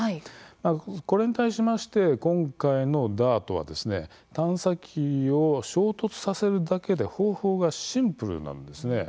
これに対しまして今回のＤＡＲＴは探査機を衝突させるだけで方法がシンプルなんです。